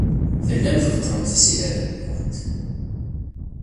Tellamt tbeṭṭlemt isihaṛen-nwent.